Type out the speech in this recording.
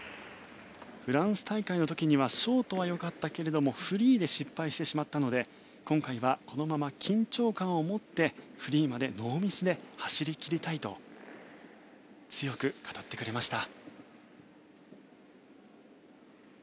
フランス大会の時にはショートとはよかったけれどもフリーで失敗してしまったので今回はこのまま緊張感を持ってフリーまでノーミスで走り切りたいと強く語ってくれました。